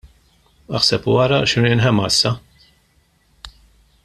Aħseb u ara x'inhu jinħema issa.